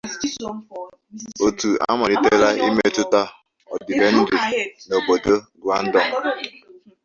Otu a malitere imetụta ọdịbendị na obodo Guangdong.